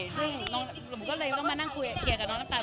ซึ่งหนูก็เลยต้องมานั่งคุยเคลียร์กับน้องน้ำตาล